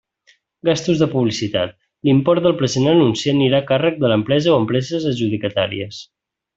Gastos de publicitat: l'import del present anunci anirà a càrrec de l'empresa o empreses adjudicatàries.